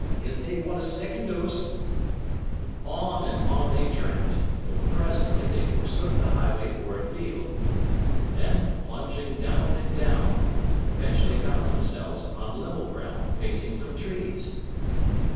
"He'll nae want a second dose." On and on they tramped, till presently they forsook the highway for a field, and then, plunging down and down, eventually found themselves upon level ground facing some trees.